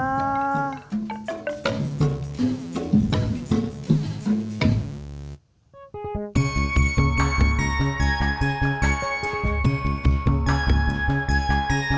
tapi biarpun kalau wor sampai disini eksekutifnya